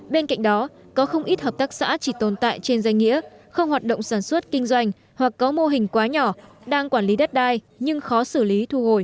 bên cạnh đó có không ít hợp tác xã chỉ tồn tại trên danh nghĩa không hoạt động sản xuất kinh doanh hoặc có mô hình quá nhỏ đang quản lý đất đai nhưng khó xử lý thu hồi